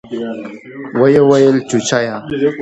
ويې ويل چوچيه.